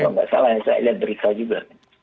kalau tidak salah saya lihat berita juga